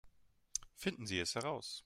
Finden Sie es heraus!